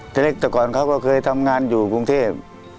แต่เล็กตะกอนเขาก็เคยทำงานอยู่กรุงเทพฯ